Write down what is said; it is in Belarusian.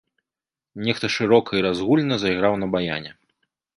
Нехта шырока і разгульна зайграў на баяне.